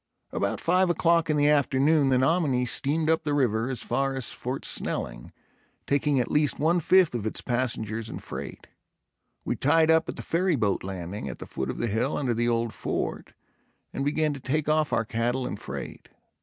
About five o'clock in the afternoon the Nominee steamed up the river as far as Fort Snelling, taking at least one fifth of its passengers and freight. We tied up at the ferry boat landing, at the foot of the hill under the old fort, and began to take off our cattle and freight.